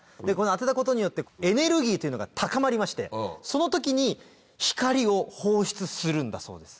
当てたことによってエネルギーというのが高まりましてその時に光を放出するんだそうです。